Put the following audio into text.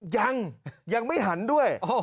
ยังยังไม่หันด้วย